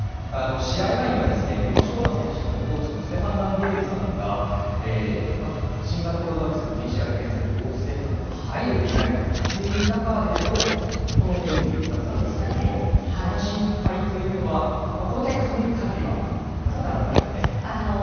試合前には宇野昌磨選手のコーチのステファン・ランビエールさんが新型コロナウイルスのＰＣＲ検査で陽性となって入れていない中でのこの演技だったんですがその心配というのはこの結果を見る限りはあまりなかったですかね。